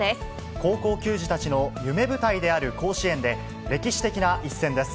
高校球児たちの夢舞台である甲子園で、歴史的な一戦です。